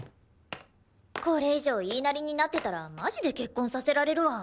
これ以上言いなりになってたらマジで結婚させられるわ。